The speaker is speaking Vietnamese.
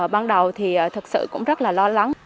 ban đầu thì thật sự cũng rất là lo lắng